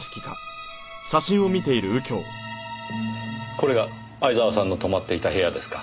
これが相沢さんの泊まっていた部屋ですか。